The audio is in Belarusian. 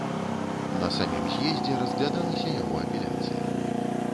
На самім з'ездзе разглядалася яго апеляцыя.